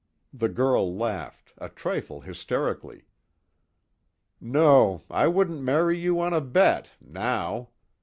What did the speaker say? The girl laughed, a trifle hysterically: "No I wouldn't marry you on a bet now.